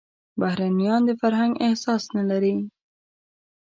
بهرنيان د فرهنګ احساس نه لري.